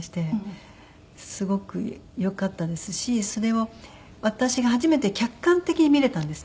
すごく良かったですしそれを私が初めて客観的に見れたんですね親を。